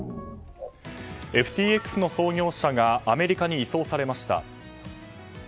ＦＴＸの創業者がアメリカに移送されました。